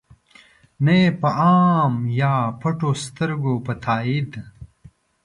نه ېې په عام یا پټو سترګو په تایید.